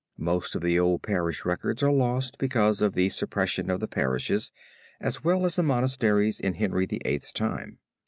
Most of the old parish records are lost because of the suppression of the parishes as well as the monasteries in Henry the Eighth's time.